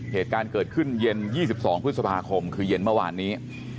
เหตุการณ์เกิดขึ้นเย็น๒๒พฤษภาคมคือเย็นเมื่อวานนี้